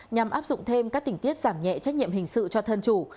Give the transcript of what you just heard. nhằm áp dụng thêm các tỉnh tiết giảm nhẹ trách nhiệm hình sự cho thân chủ